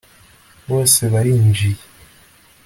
bose barinjiye